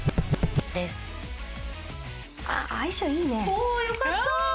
およかった！